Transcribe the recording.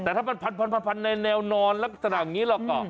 แต่ถ้ามันพันทางแนวนอนแล้วสถานีนี้หรอ